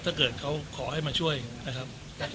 ถ้าเกิดเขาขอให้มาช่วยนะครับ